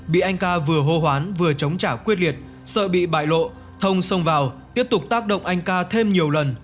bị anh ca vừa hô hoán vừa chống trả quyết liệt sợ bị bại lộ thông xông vào tiếp tục tác động anh ca thêm nhiều lần